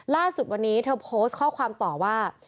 ล่าสุดวันนี้เธอโพสต์ข้อความต่อว่า